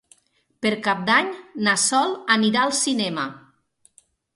Per Cap d'Any na Sol anirà al cinema.